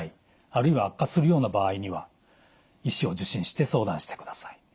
あるいは悪化するような場合には医師を受診して相談してください。